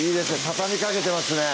畳みかけてますね